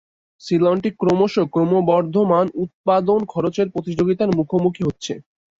Ceylon tea ক্রমশ ক্রমবর্ধমান উৎপাদন খরচের প্রতিযোগিতার মুখোমুখি হচ্ছে।